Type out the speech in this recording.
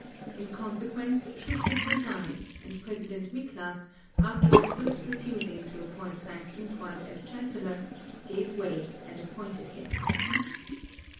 In consequence, Schuschnigg resigned, and President Miklas, after at first refusing to appoint Seyss Inquart as Chancellor, gave way and appointed him.